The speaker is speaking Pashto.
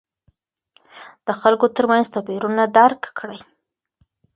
د خلکو ترمنځ توپیرونه درک کړئ.